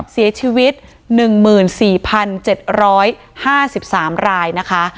เสียชีวิต๑๔๗๕๓รายนะคะ